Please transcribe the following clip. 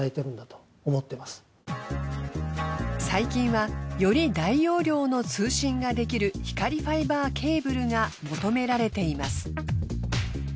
最近はより大容量の通信ができる光ファイバーケーブルが求められています。